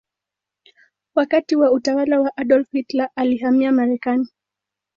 Wakati wa utawala wa Adolf Hitler alihamia Marekani.